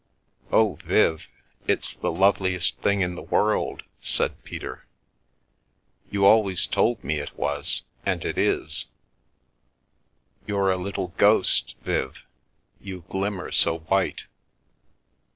" Oh, Viv, it's the loveliest thing in the world," said Peter. " You always told me it was, and it is. You're a little ghost — Viv, you glimmer so white."